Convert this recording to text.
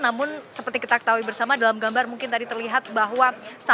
namun seperti kita ketahui bersama dalam gambar mungkin tadi terlihat bahwa